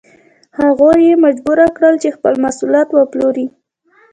هغوی یې مجبور کړل چې خپل محصولات وپلوري.